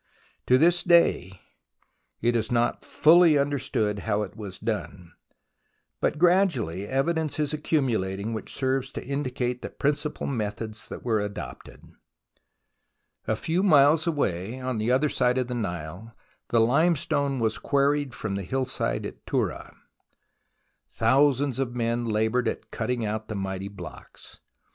To this day it is not fully understood how it was done, but gradually evidence is accumulating which serves to indicate the principal methods that were adopted. A few miles away, on the other side of the Nile, the hmestone was quarried from the hillside at Turah. Thousands of men laboured at cutting out the mighty blocks.